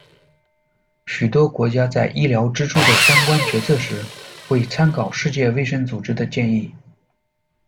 许多国家在医疗支出的相关决策时，会参考世界卫生组织的建议。